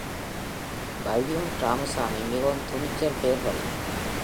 பயூன் ராமசாமி மிகவும் துணிச்சல் பேர் வழி.